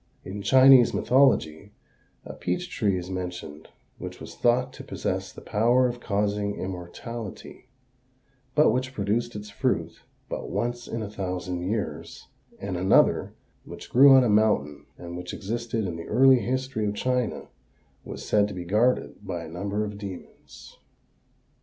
In Chinese mythology a peach tree is mentioned which was thought to possess the power of causing immortality but which produced its fruit but once in a thousand years, and another, which grew on a mountain and which existed in the early history of China, was said to be guarded by a number of demons.